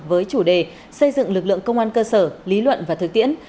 với chủ đề xây dựng lực lượng công an cơ sở lý luận và thực tiễn